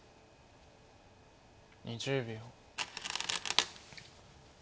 ２０秒。